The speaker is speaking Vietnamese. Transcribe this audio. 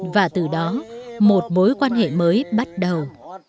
và từ đó một mối quan hệ mới bắt đầu